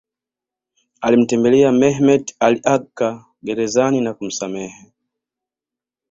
Alimtembelea Mehmet Ali Agca gerezani na kumsamehe